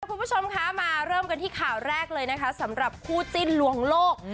คุณผู้ชมคะมาเริ่มกันที่ข่าวแรกเลยนะคะสำหรับคู่จิ้นลวงโลก